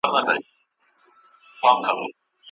چي په افغانستان کي یې ږغول ناروا دي، ږغوي.